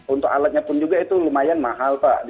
untuk alatnya pun juga itu lumayan mahal pak